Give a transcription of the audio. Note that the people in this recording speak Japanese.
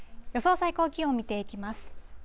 最高気温見ていきます。